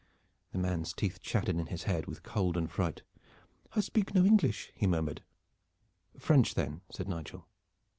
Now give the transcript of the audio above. The man's teeth chattered in his head with cold and fright. "I speak no English," he murmured. "French, then," said Nigel.